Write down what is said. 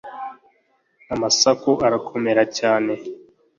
Amasaku arakomera cyane